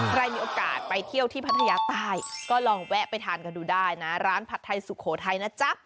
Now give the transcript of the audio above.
ใครมีโอกาสไปเที่ยวที่พัทยาใต้ก็ลองแวะไปทานกันดูได้นะร้านผัดไทยสุโขทัยนะจ๊ะ